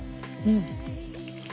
うん。